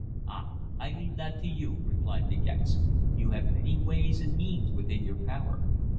"Ah! I leave that to you," replied De Gex. "You have many ways and means within your power.